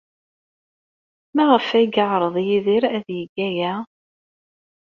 Maɣef ay yeɛreḍ Yidir ad yeg aya?